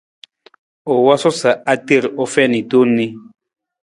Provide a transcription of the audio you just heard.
U wosuu sa a ter u fiin tong ni.